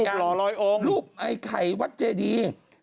ลูกหล่อลอยองค์พยันลูกไข่วัฏเจดี